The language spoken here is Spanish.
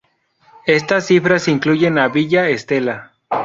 Estas cifras incluyen a Villa Estela.